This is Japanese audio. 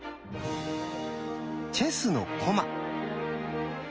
チェスの駒。